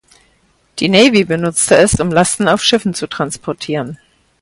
Die Navy benutzte es, um Lasten auf Schiffen zu transportieren.